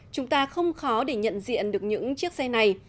chúng ta không khó để nhận diện được những chiếc xe này